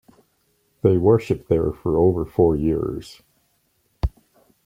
They worshiped there for over four years.